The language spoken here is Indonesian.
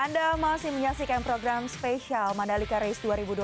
anda masih menyaksikan program spesial mandalika race dua ribu dua puluh